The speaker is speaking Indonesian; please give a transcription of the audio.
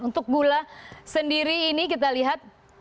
untuk gula sendiri ini kita lihat